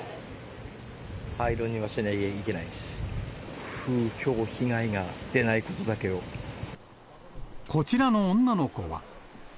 廃炉にはしなきゃいけないし、こちらの女の子は。